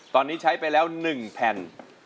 ตอนนี้ใช้ไปแล้ว๑แผ่น